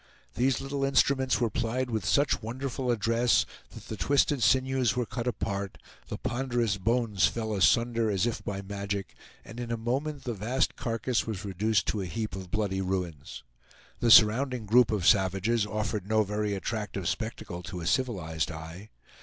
These little instruments were plied with such wonderful address that the twisted sinews were cut apart, the ponderous bones fell asunder as if by magic, and in a moment the vast carcass was reduced to a heap of bloody ruins. The surrounding group of savages offered no very attractive spectacle to a civilized eye.